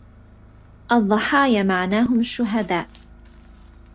الضحايا معناهم الشهداء